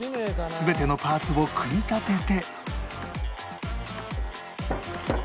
全てのパーツを組み立てて